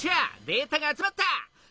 データが集まった。